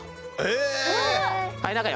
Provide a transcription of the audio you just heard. はい。